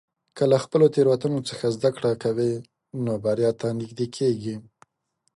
که له خپلو تېروتنو څخه زده کړه کوې، نو بریا ته نږدې کېږې.